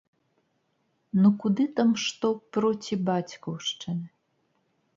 Ну куды там што проці бацькаўшчыны?!